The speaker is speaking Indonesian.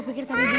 tiara sama mbak